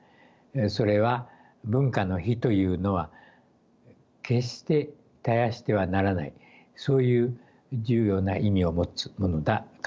それは文化の灯というのは決して絶やしてはならないそういう重要な意味を持つものだからであります。